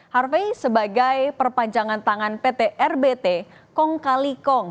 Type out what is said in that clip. harvey sebagai perpanjangan tangan pt rbt kong kali kong